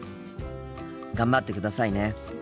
頑張ってくださいね。